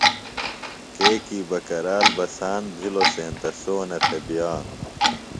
کیکی بکرال بساند بِھلوۡ سینتہ سونہ تھےۡ بئانوۡ